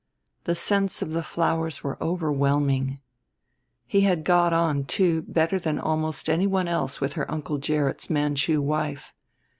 The scents of the flowers were overwhelming. He got on, too, better than almost anyone else with her Uncle Gerrit's Manchu wife.